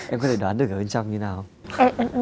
em có thể đoán được ở bên trong như thế nào